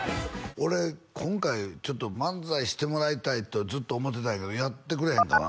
俺今回ちょっと漫才してもらいたいとずっと思ってたんやけどやってくれへんかな？